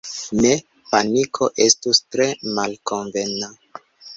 Ne, paniko estus tre malkonvena.